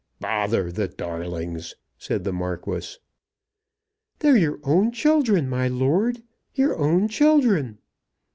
"Bother the darlings," said the Marquis. "They're your own children, my lord; your own children."